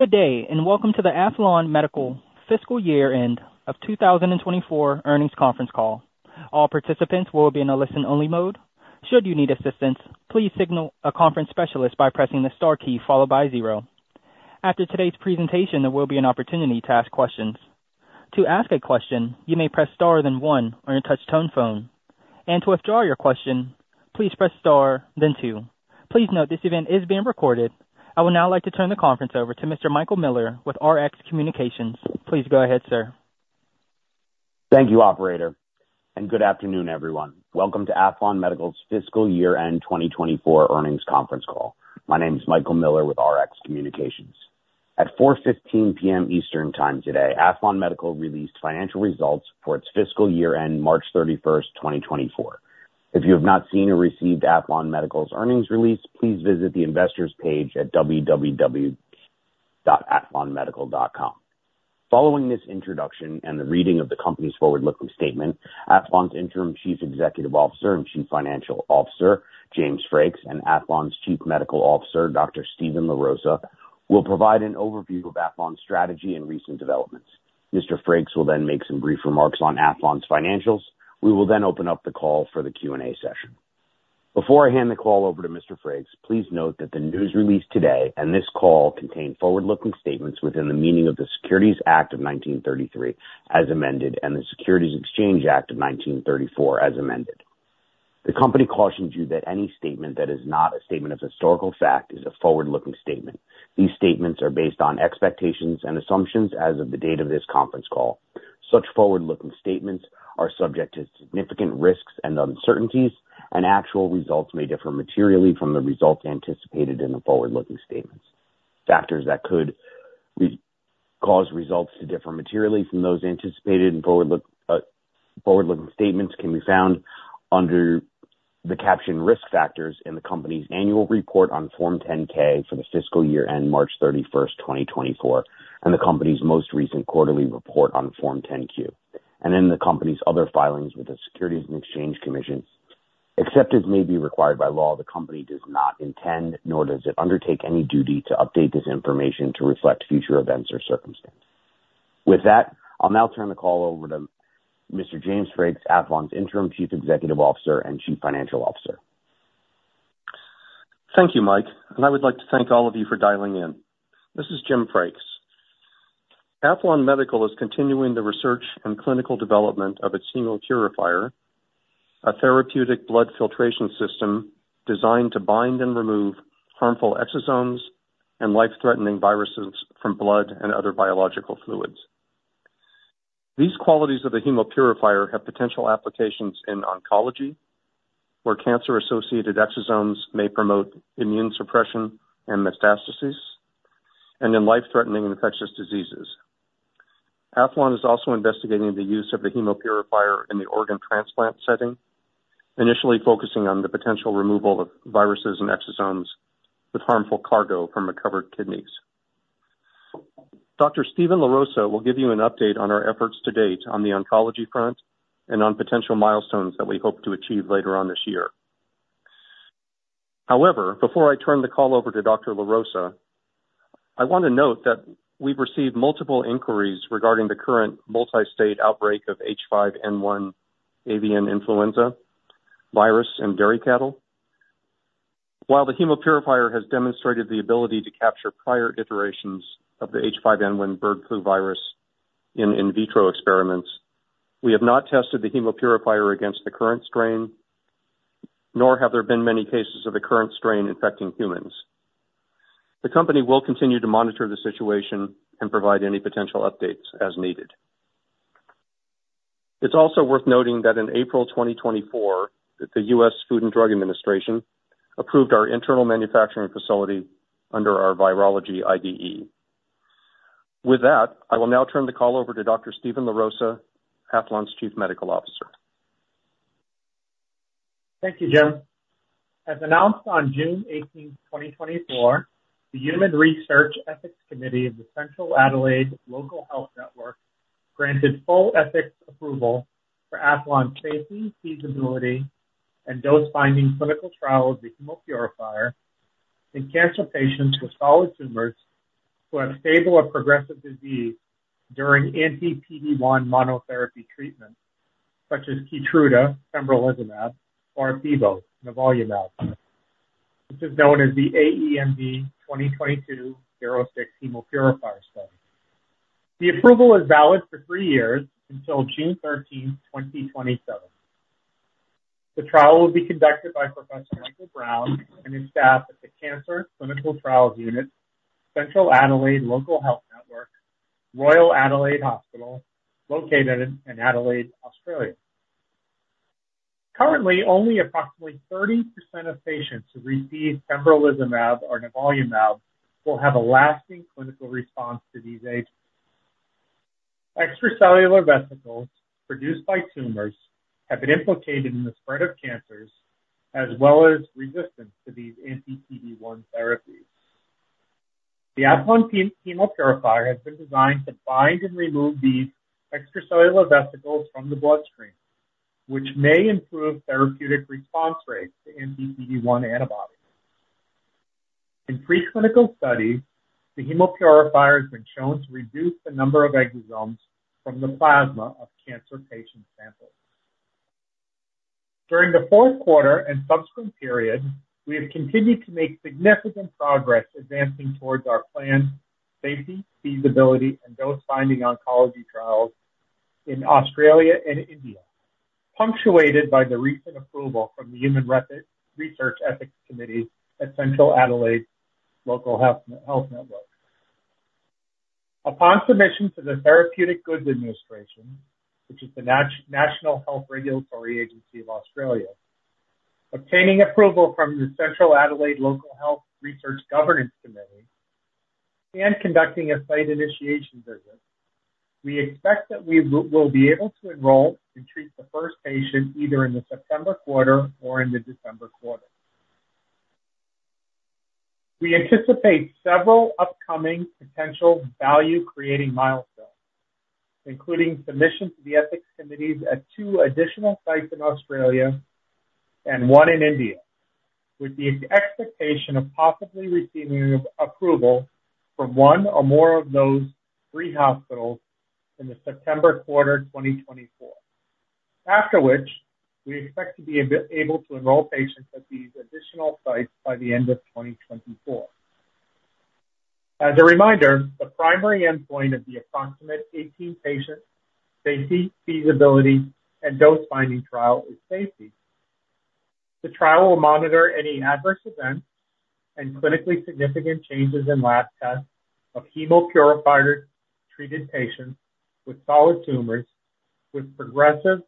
Good day, and welcome to the Aethlon Medical fiscal year-end 2024 earnings conference call. All participants will be in a listen-only mode. Should you need assistance, please signal a conference specialist by pressing the star key followed by zero. After today's presentation, there will be an opportunity to ask questions. To ask a question, you may press star then one or touch-tone phone. To withdraw your question, please press star then two. Please note this event is being recorded. I would now like to turn the conference over to Mr. Michael Miller with Rx Communications. Please go ahead, sir. Thank you, Operator. And good afternoon, everyone. Welcome to Aethlon Medical's Fiscal Year-End 2024 earnings conference call. My name is Michael Miller with Rx Communications. At 4:15 P.M. Eastern Time today, Aethlon Medical released financial results for its fiscal year end, March 31st, 2024. If you have not seen or received Aethlon Medical's earnings release, please visit the investors page at www.aethlonmedical.com. Following this introduction and the reading of the company's forward-looking statement, Aethlon's interim chief executive officer and chief financial officer, James Frakes, and Aethlon's chief medical officer, Dr. Steven LaRosa, will provide an overview of Aethlon's strategy and recent developments. Mr. Frakes will then make some brief remarks on Aethlon's financials. We will then open up the call for the Q&A session. Before I hand the call over to Mr. Frakes, please note that the news released today and this call contain forward-looking statements within the meaning of the Securities Act of 1933 as amended and the Securities Exchange Act of 1934 as amended. The company cautions you that any statement that is not a statement of historical fact is a forward-looking statement. These statements are based on expectations and assumptions as of the date of this conference call. Such forward-looking statements are subject to significant risks and uncertainties, and actual results may differ materially from the results anticipated in the forward-looking statements. Factors that could cause results to differ materially from those anticipated in forward-looking statements can be found under the captioned Risk Factors in the company's annual report on Form 10-K for the fiscal year end, March 31st, 2024, and the company's most recent quarterly report on Form 10-Q. And then the company's other filings with the Securities and Exchange Commission, except as may be required by law, the company does not intend, nor does it undertake any duty to update this information to reflect future events or circumstances. With that, I'll now turn the call over to Mr. James Frakes, Aethlon's Interim Chief Executive Officer and Chief Financial Officer. Thank you, Michael. I would like to thank all of you for dialing in. This is James Frakes. Aethlon Medical is continuing the research and clinical development of its Hemopurifier, a therapeutic blood filtration system designed to bind and remove harmful exosomes and life-threatening viruses from blood and other biological fluids. These qualities of the Hemopurifier have potential applications in oncology, where cancer-associated exosomes may promote immune suppression and metastases, and in life-threatening infectious diseases. Aethlon is also investigating the use of the Hemopurifier in the organ transplant setting, initially focusing on the potential removal of viruses and exosomes with harmful cargo from recovered kidneys. Dr. Steven LaRosa will give you an update on our efforts to date on the oncology front and on potential milestones that we hope to achieve later on this year. However, before I turn the call over to Dr. LaRosa, I want to note that we've received multiple inquiries regarding the current multi-state outbreak of H5N1 avian influenza virus in dairy cattle. While the Hemopurifier has demonstrated the ability to capture prior iterations of the H5N1 bird flu virus in vitro experiments, we have not tested the Hemopurifier against the current strain, nor have there been many cases of the current strain infecting humans. The company will continue to monitor the situation and provide any potential updates as needed. It's also worth noting that in April 2024, the U.S. Food and Drug Administration approved our internal manufacturing facility under our virology IDE. With that, I will now turn the call over to Dr. Steven LaRosa, Aethlon's Chief Medical Officer. Thank you, James. As announced on June 18, 2024, the Human Research Ethics Committee of the Central Adelaide Local Health Network granted full ethics approval for Aethlon's safety, feasibility, and dose-finding clinical trial of the Hemopurifier in cancer patients with solid tumors who have stable or progressive disease during anti-PD-1 monotherapy treatment, such as Keytruda, pembrolizumab, or nivolumab, which is known as the AEMD-2022-06 Hemopurifier study. The approval is valid for three years until June 13, 2027. The trial will be conducted by Professor Michael Brown and his staff at the Cancer Clinical Trials Unit, Central Adelaide Local Health Network, Royal Adelaide Hospital, located in Adelaide, Australia. Currently, only approximately 30% of patients who receive pembrolizumab or nivolumab will have a lasting clinical response to these agents. Extracellular vesicles produced by tumors have been implicated in the spread of cancers, as well as resistance to these anti-PD-1 therapies. The Aethlon Hemopurifier has been designed to bind and remove these extracellular vesicles from the bloodstream, which may improve therapeutic response rates to anti-PD-1 antibodies. In preclinical studies, the Hemopurifier has been shown to reduce the number of exosomes from the plasma of cancer patient samples. During the fourth quarter and subsequent period, we have continued to make significant progress advancing towards our planned safety, feasibility, and dose-finding oncology trials in Australia and India, punctuated by the recent approval from the Human Research Ethics Committee at Central Adelaide Local Health Network. Upon submission to the Therapeutic Goods Administration, which is the national health regulatory agency of Australia, obtaining approval from the Central Adelaide Local Health Research Governance Committee, and conducting a site initiation visit, we expect that we will be able to enroll and treat the first patient either in the September quarter or in the December quarter. We anticipate several upcoming potential value-creating milestones, including submission to the ethics committees at two additional sites in Australia and one in India, with the expectation of possibly receiving approval from one or more of those three hospitals in the September quarter 2024, after which we expect to be able to enroll patients at these additional sites by the end of 2024. As a reminder, the primary endpoint of the approximate 18-patient safety, feasibility, and dose-finding trial is safety. The trial will monitor any adverse events and clinically significant changes in lab tests of Hemopurifier-treated patients with solid tumors with progressive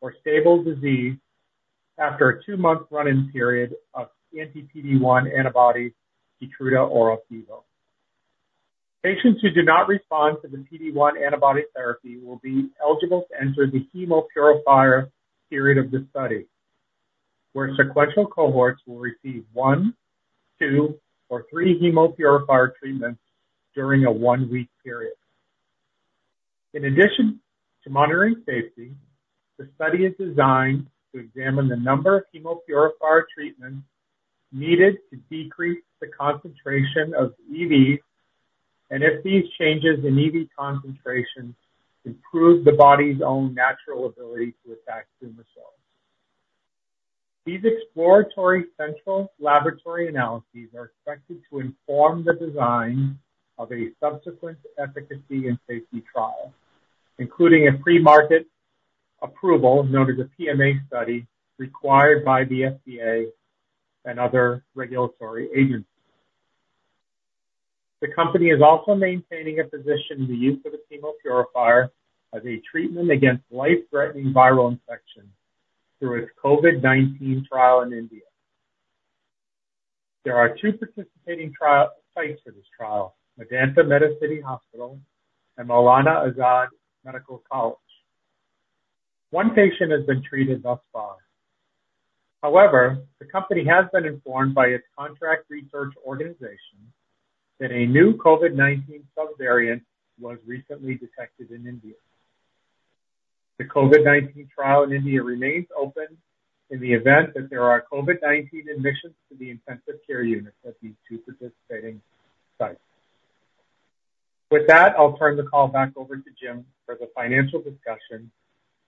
or stable disease after a two-month run-in period of anti-PD-1 antibody, Keytruda or Opdivo. Patients who do not respond to the PD-1 antibody therapy will be eligible to enter the Hemopurifier period of the study, where sequential cohorts will receive one, two, or three Hemopurifier treatments during a one-week period. In addition to monitoring safety, the study is designed to examine the number of Hemopurifier treatments needed to decrease the concentration of EV and if these changes in EV concentration improve the body's own natural ability to attack tumor cells. These exploratory central laboratory analyses are expected to inform the design of a subsequent efficacy and safety trial, including a premarket approval, known as a PMA study, required by the FDA and other regulatory agencies. The company is also maintaining a position in the use of the Hemopurifier as a treatment against life-threatening viral infection through its COVID-19 trial in India. There are two participating sites for this trial, Medanta – The Medicity and Maulana Azad Medical College. One patient has been treated thus far. However, the company has been informed by its contract research organization that a new COVID-19 subvariant was recently detected in India. The COVID-19 trial in India remains open in the event that there are COVID-19 admissions to the intensive care units at these two participating sites. With that, I'll turn the call back over to James for the financial discussion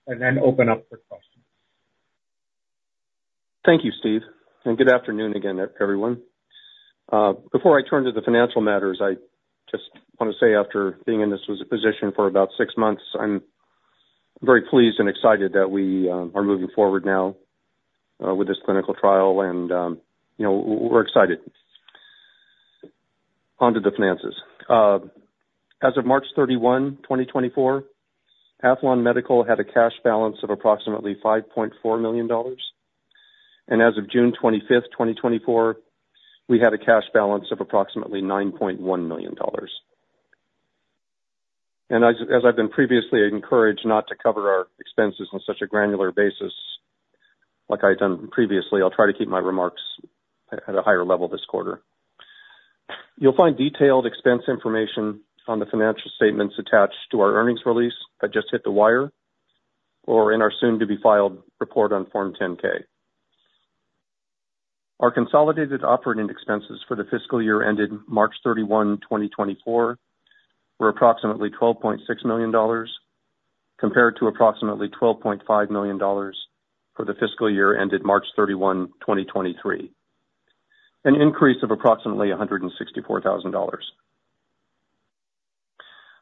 and then open up for questions. Thank you, Steven. Good afternoon again, everyone. Before I turn to the financial matters, I just want to say after being in this position for about six months, I'm very pleased and excited that we are moving forward now with this clinical trial, and we're excited. On to the finances. As of March 31, 2024, Aethlon Medical had a cash balance of approximately $5.4 million. As of June 25, 2024, we had a cash balance of approximately $9.1 million. As I've been previously encouraged not to cover our expenses on such a granular basis like I've done previously, I'll try to keep my remarks at a higher level this quarter. You'll find detailed expense information on the financial statements attached to our earnings release that just hit the wire or in our soon-to-be-filed report on Form 10-K. Our consolidated operating expenses for the fiscal year ended March 31, 2024, were approximately $12.6 million compared to approximately $12.5 million for the fiscal year ended March 31, 2023, an increase of approximately $164,000.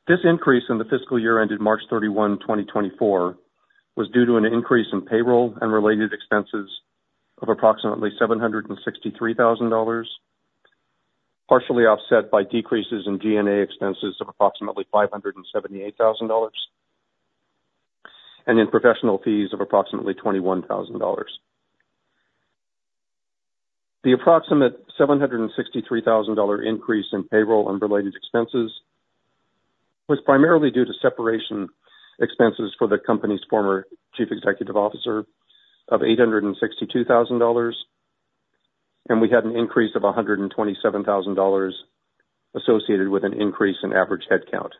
This increase in the fiscal year ended March 31, 2024, was due to an increase in payroll and related expenses of approximately $763,000, partially offset by decreases in G&A expenses of approximately $578,000 and in professional fees of approximately $21,000. The approximate $763,000 increase in payroll and related expenses was primarily due to separation expenses for the company's former chief executive officer of $862,000, and we had an increase of $127,000 associated with an increase in average headcount.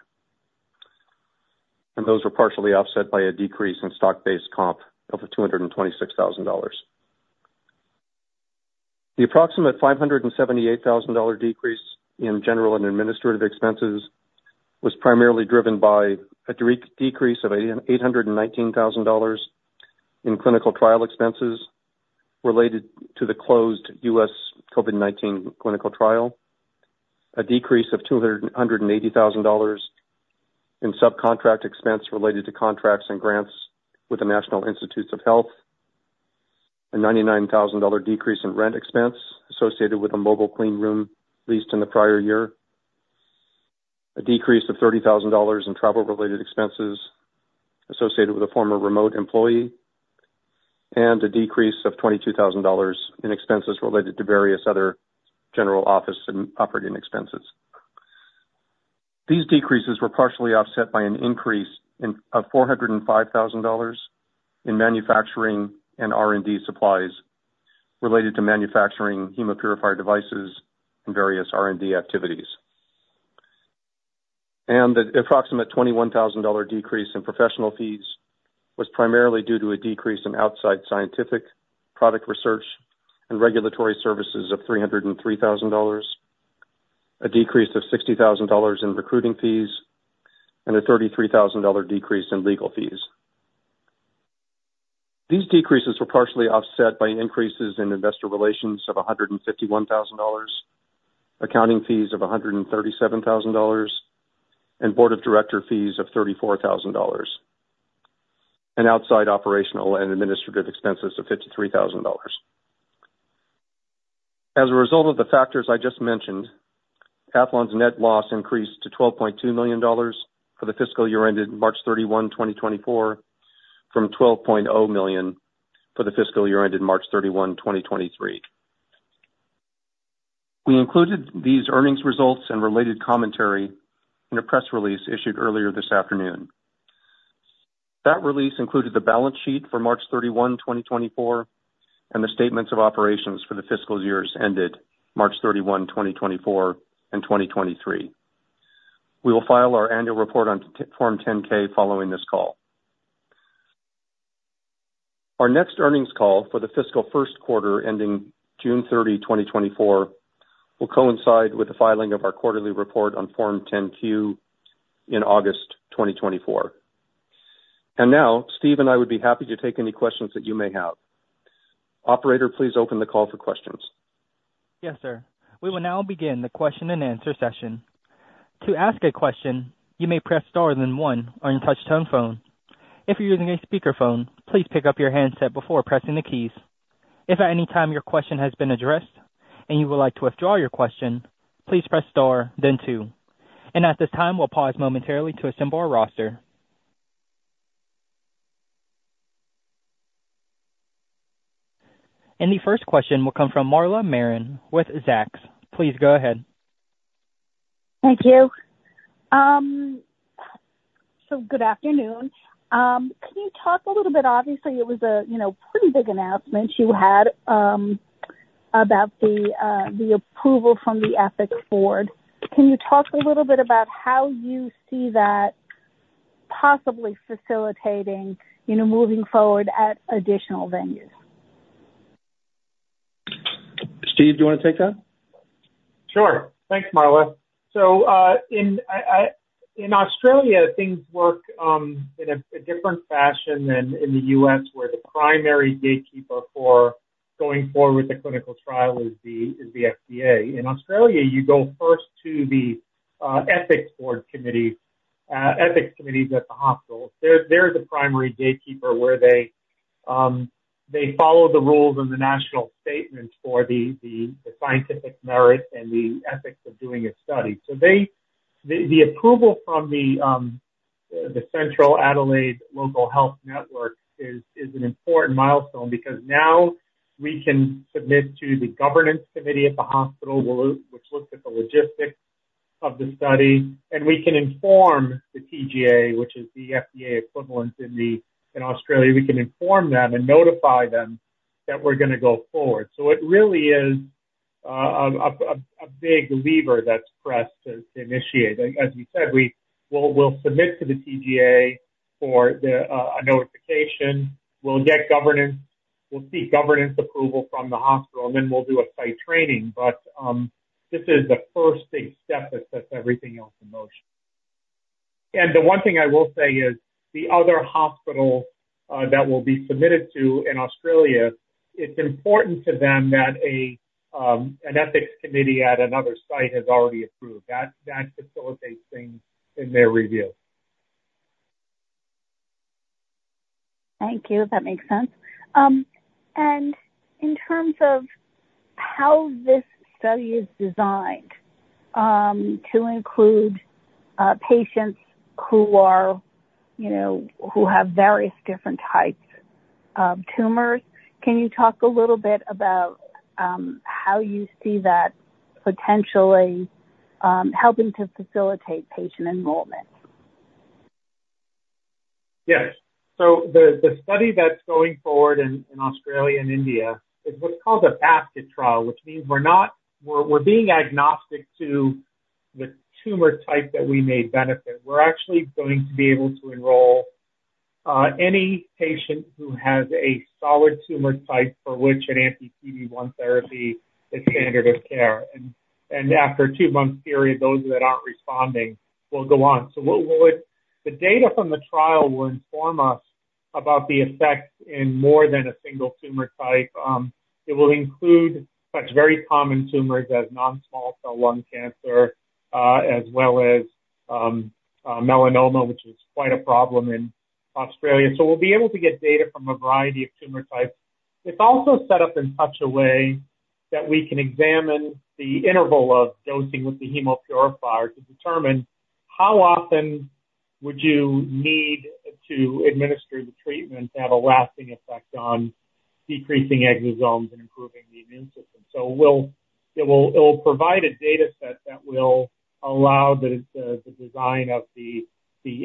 Those were partially offset by a decrease in stock-based comp of $226,000. The approximate $578,000 decrease in general and administrative expenses was primarily driven by a decrease of $819,000 in clinical trial expenses related to the closed U.S. COVID-19 clinical trial, a decrease of $280,000 in subcontract expense related to contracts and grants with the National Institutes of Health, a $99,000 decrease in rent expense associated with a mobile clean room leased in the prior year, a decrease of $30,000 in travel-related expenses associated with a former remote employee, and a decrease of $22,000 in expenses related to various other general office and operating expenses. These decreases were partially offset by an increase of $405,000 in manufacturing and R&D supplies related to manufacturing Hemopurifier devices and various R&D activities. The approximate $21,000 decrease in professional fees was primarily due to a decrease in outside scientific product research and regulatory services of $303,000, a decrease of $60,000 in recruiting fees, and a $33,000 decrease in legal fees. These decreases were partially offset by increases in investor relations of $151,000, accounting fees of $137,000, and board of director fees of $34,000, and outside operational and administrative expenses of $53,000. As a result of the factors I just mentioned, Aethlon's net loss increased to $12.2 million for the fiscal year ended March 31, 2024, from $12.0 million for the fiscal year ended March 31, 2023. We included these earnings results and related commentary in a press release issued earlier this afternoon. That release included the balance sheet for March 31, 2024, and the statements of operations for the fiscal years ended March 31, 2024, and 2023. We will file our annual report on Form 10-K following this call. Our next earnings call for the fiscal first quarter ending June 30, 2024, will coincide with the filing of our quarterly report on Form 10-Q in August 2024. Now, Steven and I would be happy to take any questions that you may have. Operator, please open the call for questions. Yes, sir. We will now begin the question and answer session. To ask a question, you may press star then one or touch-tone phone. If you're using a speakerphone, please pick up your handset before pressing the keys. If at any time your question has been addressed and you would like to withdraw your question, please press star, then two. At this time, we'll pause momentarily to assemble our roster. The first question will come from Marla Marin with Zacks. Please go ahead. Thank you. Good afternoon. Can you talk a little bit? Obviously, it was a pretty big announcement you had about the approval from the ethics board. Can you talk a little bit about how you see that possibly facilitating moving forward at additional venues? Steven, do you want to take that? Sure. Thanks, Marla. So in Australia, things work in a different fashion than in the U.S., where the primary gatekeeper for going forward with the clinical trial is the FDA. In Australia, you go first to the ethics board committees at the hospital. They're the primary gatekeeper where they follow the rules and the national statements for the scientific merit and the ethics of doing a study. So the approval from the Central Adelaide Local Health Network is an important milestone because now we can submit to the governance committee at the hospital, which looks at the logistics of the study, and we can inform the TGA, which is the FDA equivalent in Australia. We can inform them and notify them that we're going to go forward. So it really is a big lever that's pressed to initiate. As you said, we'll submit to the TGA for a notification. We'll get governance. We'll seek governance approval from the hospital, and then we'll do a site training. But this is the first big step that sets everything else in motion. And the one thing I will say is the other hospitals that will be submitted to in Australia, it's important to them that an ethics committee at another site has already approved. That facilitates things in their review. Thank you. That makes sense. In terms of how this study is designed to include patients who have various different types of tumors, can you talk a little bit about how you see that potentially helping to facilitate patient enrollment? Yes. So the study that's going forward in Australia and India is what's called a basket trial, which means we're being agnostic to the tumor type that we may benefit. We're actually going to be able to enroll any patient who has a solid tumor type for which an anti-PD-1 therapy is standard of care. And after a two-month period, those that aren't responding will go on. So the data from the trial will inform us about the effect in more than a single tumor type. It will include such very common tumors as non-small cell lung cancer, as well as melanoma, which is quite a problem in Australia. So we'll be able to get data from a variety of tumor types. It's also set up in such a way that we can examine the interval of dosing with the Hemopurifier to determine how often would you need to administer the treatment to have a lasting effect on decreasing exosomes and improving the immune system. So it will provide a dataset that will allow the design of the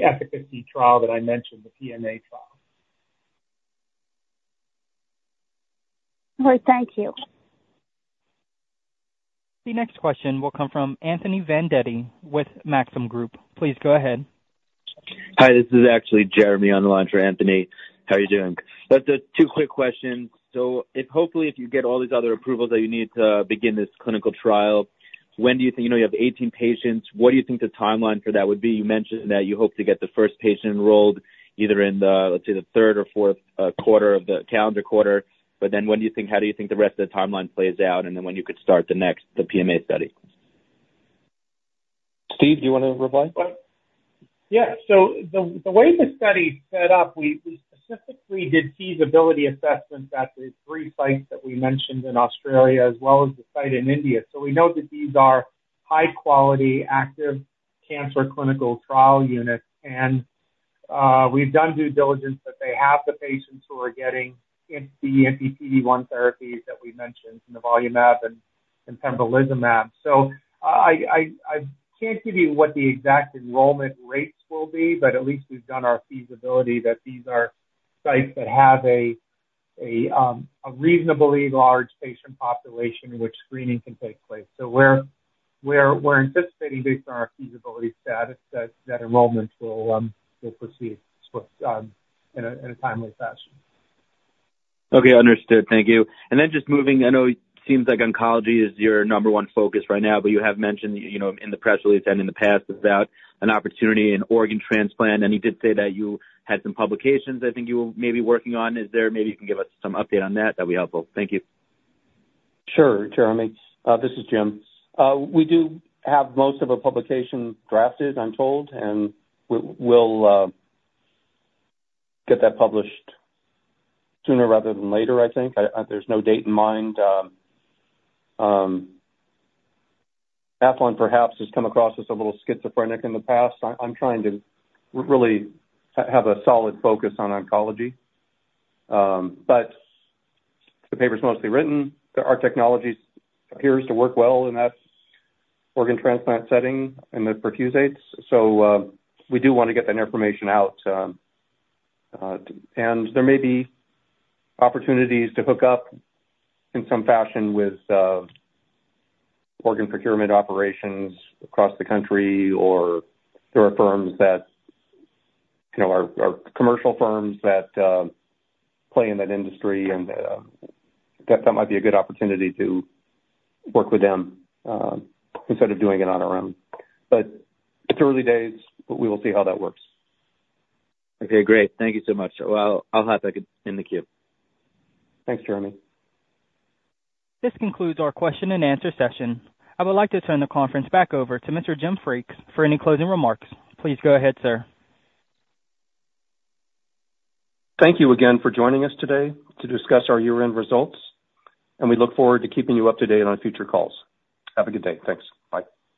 efficacy trial that I mentioned, the PMA trial. All right. Thank you. The next question will come from Anthony Vendetti with Maxim Group. Please go ahead. Hi. This is actually Jeremy on the line for Anthony. How are you doing? Just two quick questions. So hopefully, if you get all these other approvals that you need to begin this clinical trial, when do you think you have 18 patients? What do you think the timeline for that would be? You mentioned that you hope to get the first patient enrolled either in, let's say, the third or fourth quarter of the calendar quarter. But then when do you think how do you think the rest of the timeline plays out? And then when you could start the next, the PMA study? Steve, do you want to reply? Yeah. So the way the study is set up, we specifically did feasibility assessments at the three sites that we mentioned in Australia, as well as the site in India. So we know that these are high-quality, active cancer clinical trial units. And we've done due diligence that they have the patients who are getting the anti-PD-1 therapies that we mentioned in the nivolumab and pembrolizumab. So I can't give you what the exact enrollment rates will be, but at least we've done our feasibility that these are sites that have a reasonably large patient population in which screening can take place. So we're anticipating, based on our feasibility status, that enrollment will proceed in a timely fashion. Okay. Understood. Thank you. Then just moving, I know it seems like oncology is your number one focus right now, but you have mentioned in the press release and in the past about an opportunity in organ transplant. And you did say that you had some publications, I think, you were maybe working on. Is there maybe you can give us some update on that? That would be helpful. Thank you. Sure, Jeremy. This is James. We do have most of our publications drafted, I'm told, and we'll get that published sooner rather than later, I think. There's no date in mind. Aethlon, perhaps, has come across as a little schizophrenic in the past. I'm trying to really have a solid focus on oncology. But the paper's mostly written. Our technology appears to work well in that organ transplant setting and the perfusates. So we do want to get that information out. And there may be opportunities to hook up in some fashion with organ procurement operations across the country, or there are firms that are commercial firms that play in that industry, and that might be a good opportunity to work with them instead of doing it on our own. But it's early days, but we will see how that works. Okay. Great. Thank you so much. Well, I'll hop back in the queue. Thanks, Jeremy. This concludes our question and answer session. I would like to turn the conference back over to Mr. James Frakes for any closing remarks. Please go ahead, sir. Thank you again for joining us today to discuss our year-end results. We look forward to keeping you up to date on future calls. Have a good day. Thanks. Bye.